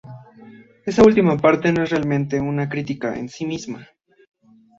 Esa última parte no es realmente una crítica en sí misma.